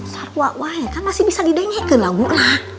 saruak wae kan masih bisa didenyekin lagu lah